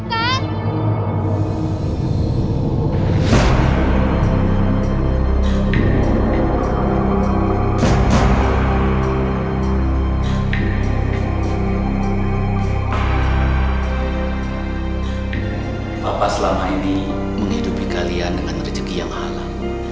kita harus berusaha untuk menjalani perjalanan yang lebih baik